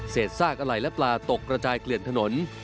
ซากอะไหล่และปลาตกกระจายเกลื่อนถนน